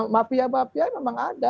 mafia mafia memang ada